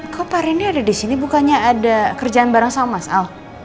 kau pak rini ada di sini bukannya ada kerjaan bareng sama mas al